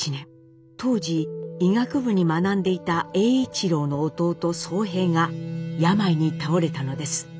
当時医学部に学んでいた栄一郎の弟荘平が病に倒れたのです。